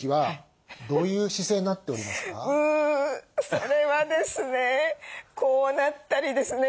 うそれはですね